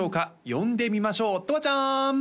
呼んでみましょうとわちゃん！